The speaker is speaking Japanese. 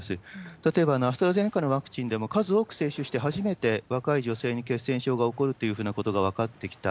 例えばアストラゼネカのワクチンでも、数多く接種して初めて、若い女性に血栓症が起こるというふうなことが分かってきた。